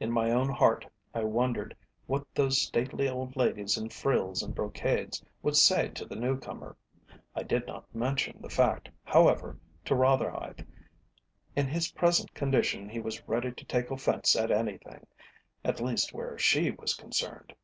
In my own heart I wondered what those stately old ladies in frills and brocades would say to the new comer. I did not mention the fact, however, to Rotherhithe. In his present condition he was ready to take offence at anything, at least where she was concerned.